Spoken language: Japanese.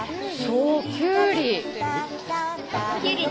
そうきゅうり。